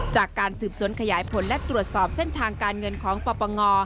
จากการสืบสวนขยายผลและตรวจสอบเส้นทางการเงินของปปง